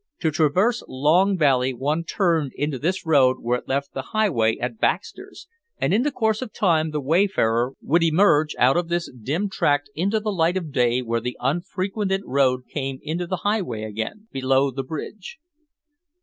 To traverse Long Valley one turned into this road where it left the highway at Baxters, and in the course of time the wayfarer would emerge out of this dim tract into the light of day where the unfrequented road came into the highway again below the bridge.